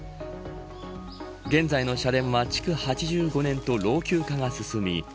現在の社殿は築８５年と老朽化が進み